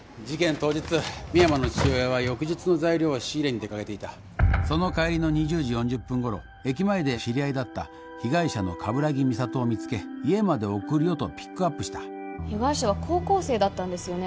当日深山の父親は翌日の材料を仕入れに出かけていたその帰りの２０時４０分頃駅前で知り合いだった被害者の鏑木美里を見つけ家まで送るよとピックアップした被害者は高校生だったんですよね？